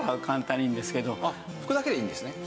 拭くだけでいいんですね。